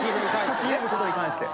差し入れることに関して。